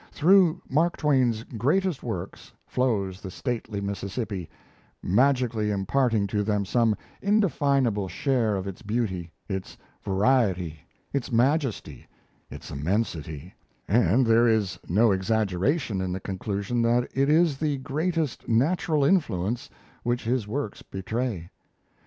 Through Mark Twain's greatest works flows the stately Mississippi, magically imparting to them some indefinable share of its beauty, its variety, its majesty, its immensity; and there is no exaggeration in the conclusion that it is the greatest natural influence which his works betray.